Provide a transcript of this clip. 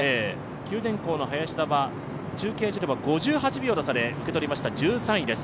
九電工の林田は中継所では５８秒差で受け取り、１３位です。